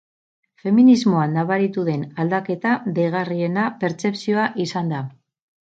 Feminismoan nabaritu den aldaketa deigarriena pertzepzioa izan da.